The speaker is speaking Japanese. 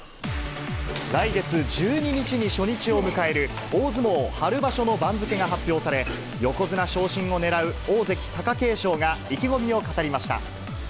来月１２日に初日を迎える、大相撲春場所の番付が発表され、横綱昇進を狙う大関・貴景勝が意気込みを語りました。